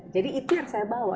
jadi itu yang saya bawa